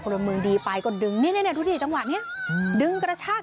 พลเมืองดีไปก็ดึงนี่นี่นี่ดูดิตั้งหวัดเนี้ยดึงกระชาก